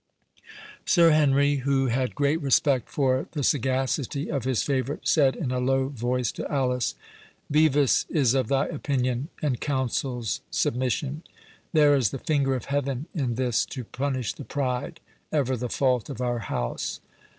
Sir Henry, who had great respect for the sagacity of his favourite, said in a low voice to Alice, "Bevis is of thy opinion and counsels submission. There is the finger of Heaven in this to punish the pride, ever the fault of our house.